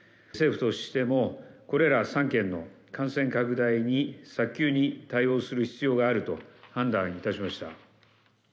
政府としても、これら３県の感染拡大に早急に対応する必要があると判断いたしました。